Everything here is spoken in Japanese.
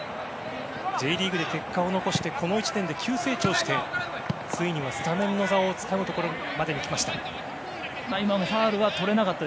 Ｊリーグで結果を残してこの１年で急成長してついにはスタメンの座をつかむところまで来ました。